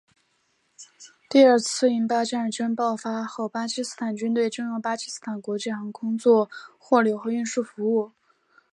第二次印巴战争爆发后巴基斯坦军队征用巴基斯坦国际航空做货流和运输服务。